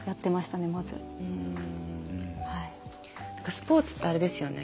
スポーツってあれですよね